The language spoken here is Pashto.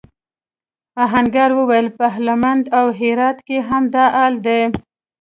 آهنګر وویل پهلمند او هرات کې هم دا حال دی.